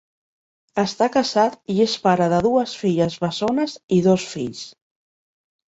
Està casat i és pare de dues filles bessones i dos fills.